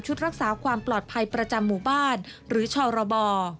รักษาความปลอดภัยประจำหมู่บ้านหรือชรบ